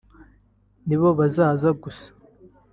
ni bo bazaza gusa